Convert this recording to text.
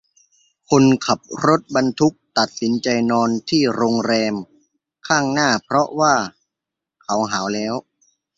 คนขับรถบรรทุกตักสินใจนอนที่โรงแรมข้างหน้าเพราะว่าเขาหาวแล้ว